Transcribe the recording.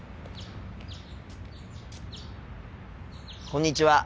こんにちは。